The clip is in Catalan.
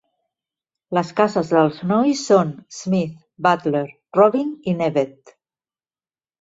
Les cases dels nois són Smith, Butler, Robin i Nevett.